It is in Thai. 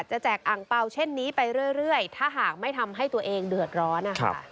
แจกอังเปล่าเช่นนี้ไปเรื่อยถ้าหากไม่ทำให้ตัวเองเดือดร้อนนะคะ